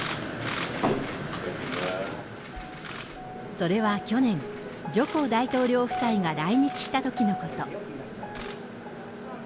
それは去年、ジョコ大統領夫妻が来日したときのこと。